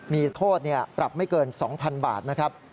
มีโทษปรับไม่เกิน๒๐๐๐บาทนะครับ